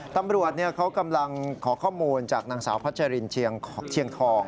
ตำรวจเขากำลังขอข้อมูลจากนางสาวพัชรินเชียงทอง